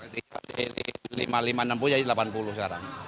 dari rp lima rp enam puluh jadi rp delapan puluh sekarang